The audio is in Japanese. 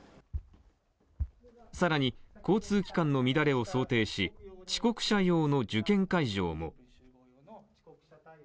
更に交通機関の乱れを想定し遅刻者用の受験会場も。